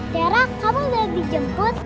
tiara kamu udah dijemput